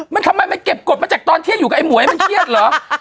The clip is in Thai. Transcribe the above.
มันทำไมมันเก็บกฎมาจากตอนเที่ยงอยู่กับไอ้หวยมันเครียดเหรอ